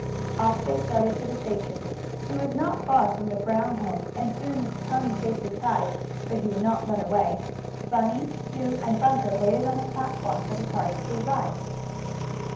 Off they started to the station. It was not far from the Brown home, and soon, with the pony safely tied, so he would not run away, Bunny, Sue and Bunker waited on the platform for the cars to arrive.